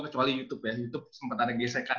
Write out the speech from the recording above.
kecuali youtube ya youtube sempat ada gesekan